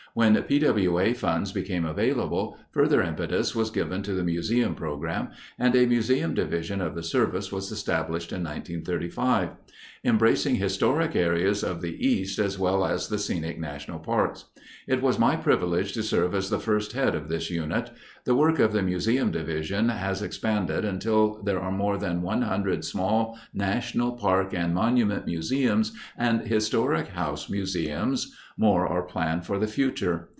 When P.W.A. funds became available, further impetus was given to the museum program, and a Museum Division of the Service was established in 1935, embracing historic areas of the East as well as the scenic national parks. It was my privilege to serve as the first head of this unit. The work of the Museum Division has expanded until there are more than one hundred small national park and monument museums and historic house museums; more are planned for the future.